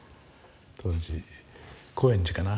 当時高円寺かな。